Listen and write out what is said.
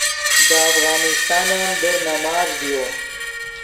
دے افغانستان ام در نماز ڤیو